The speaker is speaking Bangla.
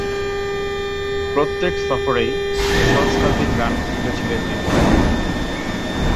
প্রত্যেক সফরেই সহস্রাধিক রান তুলেছিলেন তিনি।